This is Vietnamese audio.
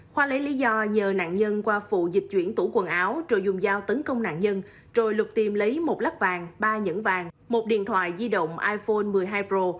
khoa lấy lý do nhờ nạn nhân qua phụ dịch chuyển tủ quần áo rồi dùng dao tấn công nạn nhân rồi lục tiềm lấy một lắc vàng ba nhẫn vàng một điện thoại di động iphone một mươi hai pro